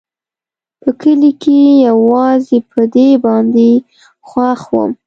په کلي کښې يوازې په دې باندې خوښ وم.